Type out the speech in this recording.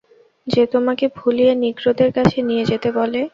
সে আমাকে ভুলিয়ে নিগ্রোদের কাছে নিয়ে যেতে বলে।